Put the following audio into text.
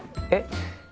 えっ？